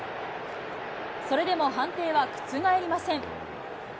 それでも判定は覆りません。